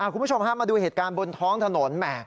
คุณผู้ชมพามาดูเหตุการณ์บนท้องถนน